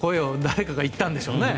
どなたかが言ったんでしょうね。